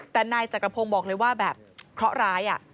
แต่นายจักรพงศ์บอกเลยว่าแบบเคราะห์ร้าย